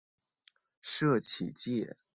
社企界